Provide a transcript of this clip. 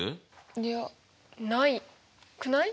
いやないくない？